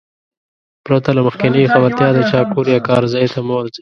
پرته له مخکينۍ خبرتيا د چا کور يا کار ځاى ته مه ورځٸ.